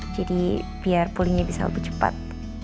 jadi biar pulihnya bisa lebih cepat